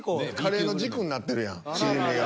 カレーの軸になってるやんシジミが。